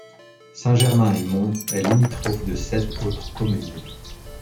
Saint-Germain-et-Mons est limitrophe de sept autres communes.